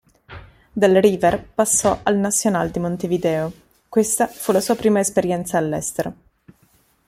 Dal River passò al Nacional di Montevideo: questa fu la sua prima esperienza all'estero.